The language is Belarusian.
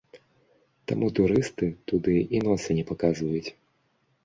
Таму турысты туды і носа не паказваюць.